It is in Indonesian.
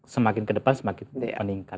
semakin ke depan semakin meningkat